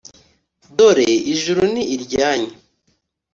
dore ijuru ni iryanyu